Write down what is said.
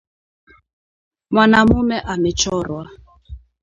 Mwanamume amechorwa